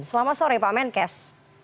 selamat sore pak menkes